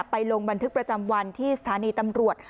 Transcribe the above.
ลงบันทึกประจำวันที่สถานีตำรวจ